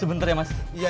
hai bentar ya mas iya